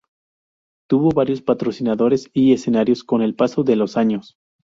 Tuvo varios patrocinadores y escenarios con el paso de los años.